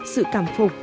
sự cảm phục